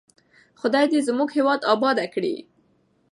خدای دې زموږ هېواد اباد کړي.